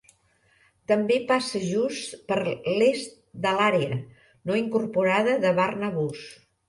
També passa just per l"est de l"àrea no incorporada de Barnabus.